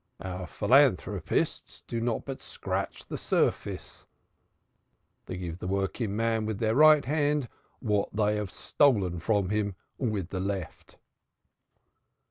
Our philanthropists do but scratch the surface. They give the working man with their right hand what they have stolen from him with the left."